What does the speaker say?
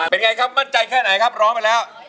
เป็นไงครับมั่นใจแค่ไหนครับร้องไปแล้ว